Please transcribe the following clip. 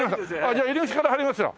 じゃあ入り口から入りますよ。